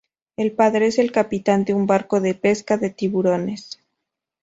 El padre es el capitán de un barco de pesca de tiburones.